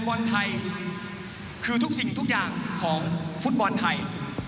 ผมใจทุกอย่างของวิุนไทย